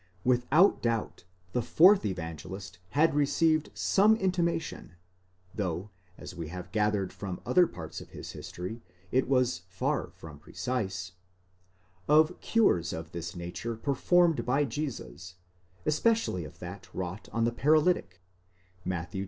Without doubt the fourth Evangelist had received some inti mation (though, as we have gathered from other parts of his history, it was far from precise) of cures of this nature performed by Jesus, especially of that wrought on the paralytic, Matt.